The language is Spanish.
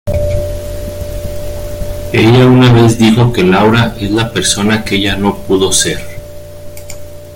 Ella una vez dijo que Laura es la persona que ella no pudo ser.